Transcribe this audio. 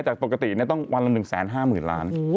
จากปกตินี่ต้องวันลำ๑แสน๕หมื่นยาน